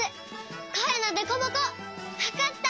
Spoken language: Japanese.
こえのデコボコわかった。